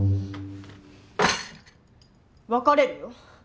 別れるよ。